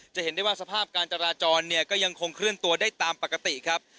จะเห็นได้ว่าสภาพการจราจรเนี่ยก็ยังคงเคลื่อนตัวได้ตามปกติครับ